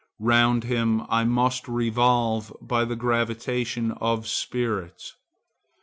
Round him I must revolve by the gravitation of spirits.